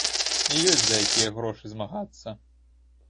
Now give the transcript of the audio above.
Ёсць за якія грошы змагацца!